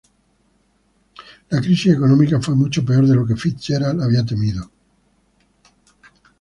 La crisis económica fue mucho peor de lo que FitzGerald había temido.